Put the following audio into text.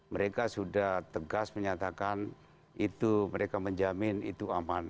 mereka sudah tegas menyatakan itu mereka menjamin itu aman